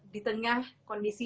di tengah kondisi